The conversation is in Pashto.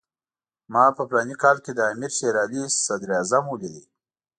ما په فلاني کال کې د امیر شېر علي صدراعظم ولید.